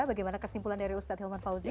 bagaimana kesimpulan dari ustadz hilman fauzi